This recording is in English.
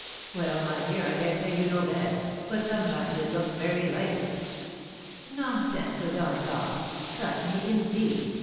" Well, my dear, I dare say you know best ; but sometimes it looks very like it." "Nonsense, O'Donagough! Cut me, indeed